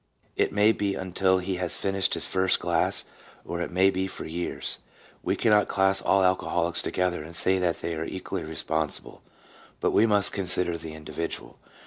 It may be until he has finished his first glass, or it may be for years. We cannot class all alcoholics together and say they are all equally responsible, but we must consider the individual.